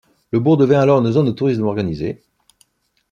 Le bourg devint alors une zone de tourisme organisé.